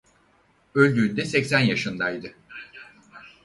Öldüğünde seksen yaşındaydı.